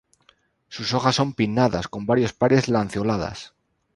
Sus hojas son pinnadas con varios pares lanceoladas.